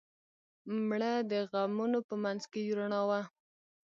مړه د غمونو په منځ کې یو رڼا وه